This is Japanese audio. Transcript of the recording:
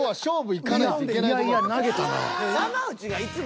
いやいや投げたなぁ。